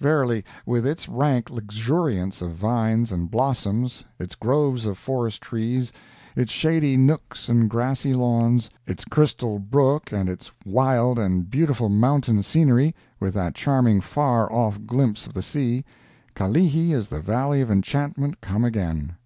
Verily, with its rank luxuriance of vines and blossoms, its groves of forest trees, its shady nooks and grassy lawns, its crystal brook and its wild and beautiful mountain scenery, with that charming far off glimpse of the sea, Kalihi is the Valley of Enchantment come again!